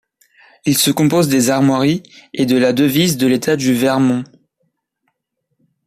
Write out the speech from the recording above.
Il se compose des armoiries et de la devise de l'État du Vermont.